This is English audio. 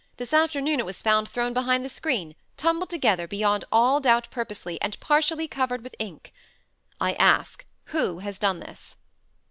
This afternoon it was found thrown behind the screen, tumbled together, beyond all doubt purposely, and partially covered with ink. I ask, who has done this?"